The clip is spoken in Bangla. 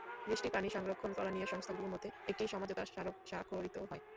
বৃষ্টির পানি সংরক্ষণ করা নিয়ে সংস্থাগুলোর মধ্যে একটি সমাঝোতা স্মারক স্বাক্ষরিত হয়।